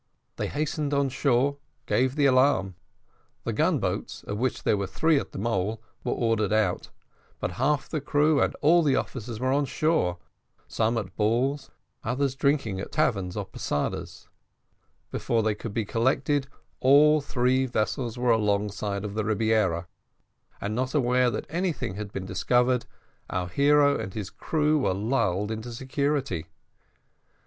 They hastened on shore, gave the alarm; the gunboats, of which there were three at the mole, were ordered out, but half the crew and all the officers were on shore, some at balls, others drinking at taverns or posadas; before they could be collected all three vessels were alongside of the Rebiera; and not aware that anything had been discovered, our hero and his crew were lulled in security.